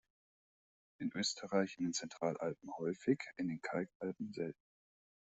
In Österreich in den Zentralalpen häufig, in den Kalkalpen selten.